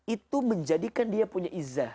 itu menjadikan dia punya iza